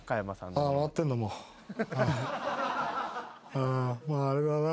あまああれだな。